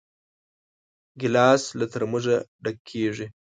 ګیلاس له ترموزه ډک کېږي.